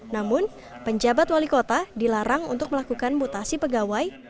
namun penjabat wali kota dilarang untuk melakukan mutasi pegawai